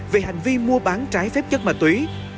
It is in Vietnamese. về hành vi mua bán trái phép chất mà tuý